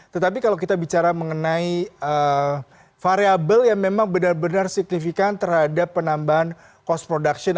tetapi kalau kita bicara mengenai variable yang memang benar benar signifikan terhadap penambahan cost production